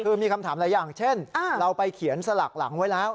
คือมีคำถามหลายอย่างเช่นเราไปเขียนสลักหลังไว้แล้ว